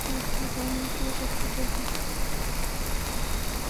বিমানবন্দর রেল স্টেশনে কয়েকজন প্রত্যক্ষদর্শী জানালেন, ভোর থেকেই এখানে ঘরমুখী যাত্রীদের ভিড়।